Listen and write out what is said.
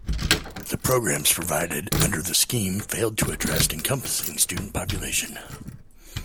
The programs provided under the scheme failed to address encompassing student population.